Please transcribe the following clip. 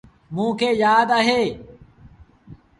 موݩ کي يآد اهي۔